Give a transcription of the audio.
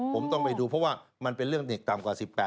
ผมต้องไปดูเพราะว่ามันเป็นเรื่องเด็กต่ำกว่า๑๘